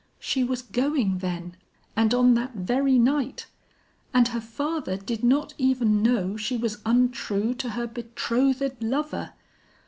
She was going, then, and on that very night! and her father did not even know she was untrue to her betrothed lover.